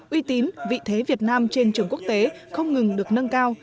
uy tín vị thế việt nam trên trường quốc tế không ngừng được nâng cao